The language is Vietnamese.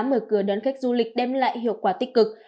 mở cửa đón khách du lịch đem lại hiệu quả tích cực